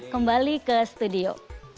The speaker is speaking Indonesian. kembali ke studio